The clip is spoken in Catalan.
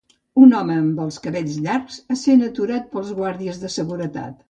Un home amb els cabells llargs essent aturat per guàrdies de seguretat.